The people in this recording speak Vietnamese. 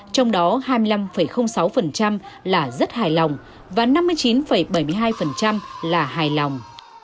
trong đó hai mươi năm sáu là rất hài lòng và năm mươi chín bảy mươi hai là hài lòng